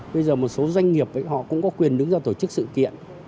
bây giờ một số doanh nghiệp họ cũng có quyền đứng ra tổ chức sự kiện